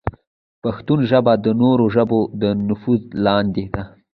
پښتو ژبه د نورو ژبو د نفوذ لاندې ده.